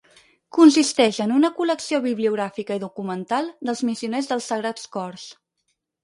Consisteix en una col·lecció bibliogràfica i documental dels missioners dels Sagrats Cors.